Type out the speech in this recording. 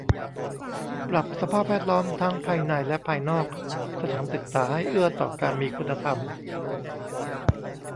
ปรับสภาพแวดล้อมทั้งภายในและภายนอกสถานศึกษาให้เอื้อต่อการมีคุณธรรม